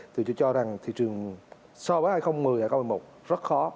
thì tôi cho rằng thị trường so với hai nghìn một mươi hai nghìn một mươi một rất khó